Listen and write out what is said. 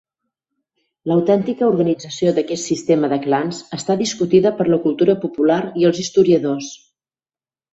L’autèntica organització d’aquest sistema de clans està discutida per la cultura popular i els historiadors.